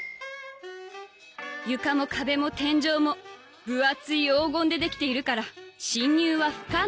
床も壁も天井も分厚い黄金でできているから侵入は不可能